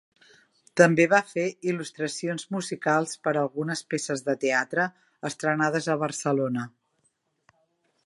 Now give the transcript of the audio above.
També va fer il·lustracions musicals per a algunes peces de teatre, estrenades a Barcelona.